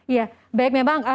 iya baik memang